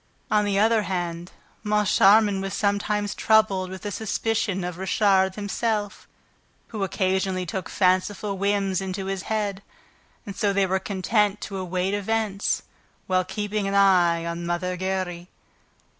On the other hand, Moncharmin was sometimes troubled with a suspicion of Richard himself, who occasionally took fanciful whims into his head. And so they were content to await events, while keeping an eye on Mother Giry.